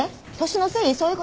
年のせい？